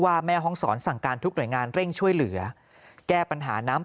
แม่ห้องศรสั่งการทุกหน่วยงานเร่งช่วยเหลือแก้ปัญหาน้ำ